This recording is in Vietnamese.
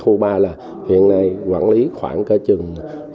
huba là hiện nay quản lý khoảng cả chừng